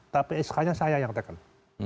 tapi sk nya saya yang taken